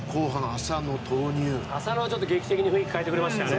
浅野は劇的に雰囲気を変えてくれましたよね。